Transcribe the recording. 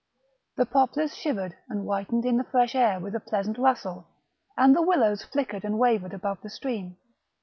The poplars shivered and whitened in the fresh air with a pleasant rustle, and the willows flickered and wavered above the stream.